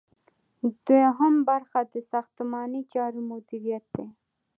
دوهم برخه د ساختماني چارو مدیریت دی.